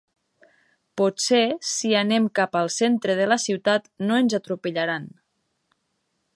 Potser si anem cap al centre de la ciutat no ens atropellaran.